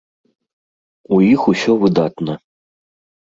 У іх усё выдатна.